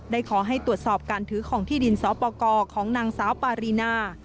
ขอให้ตรวจสอบการถือของที่ดินสปกรของนางสาวปารีนา